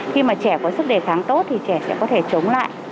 khi mà trẻ có sức đề kháng tốt thì trẻ sẽ có thể chống lại